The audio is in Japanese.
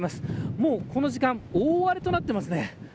もうこの時間大荒れとなっていますね。